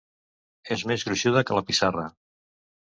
És més gruixuda que la pissarra.